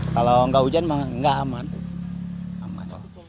kalau nggak hujan mah nggak aman